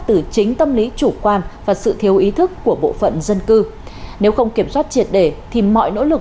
từ chính tâm lý chủ quan và sự thiếu ý thức của bộ phận dân cư nếu không kiểm soát triệt đề thì mọi nỗ lực